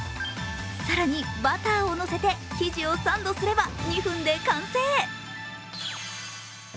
更にバターをのせて生地をサンドすれば２分で完成。